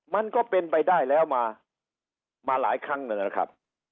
มันก็เป็นไปได้แล้วมาหลายครั้งหนึ่งนะครับ